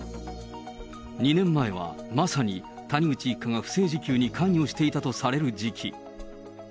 ２年前は、まさに谷口一家が不正受給に関与していたとされる時期。